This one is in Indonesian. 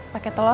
kalian demi loh